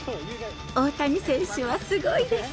大谷選手はすごいです。